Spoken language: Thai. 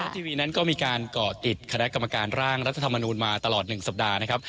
ทีวีนั้นก็มีการเกาะติดคณะกรรมการร่างรัฐธรรมนูญมาตลอด๑สัปดาห์นะครับ